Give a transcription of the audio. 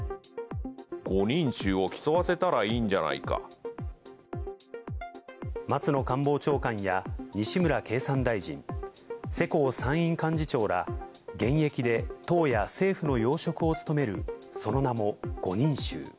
５人衆を競わせたらいいんじ松野官房長官や、西村経産大臣、世耕参院幹事長ら現役で党や政府の要職を務める、その名も５人衆。